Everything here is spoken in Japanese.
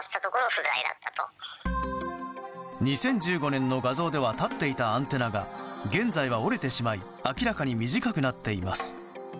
２０１５年の画像では立っていたアンテナが現在は折れてしまい明らかに短くなっています。